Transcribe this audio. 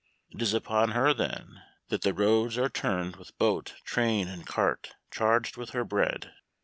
It is upon her, then, that the roads are turned with boat, train, and cart charged with her bread.